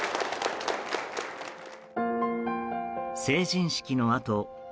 成人式のあとＡ